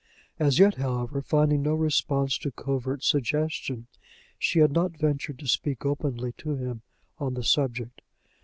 As yet, however, finding no response to covert suggestion, she had not ventured to speak openly to him on the subject.